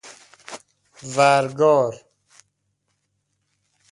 ورگار